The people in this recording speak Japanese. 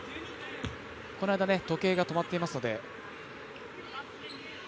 この間時計が止まっていますので。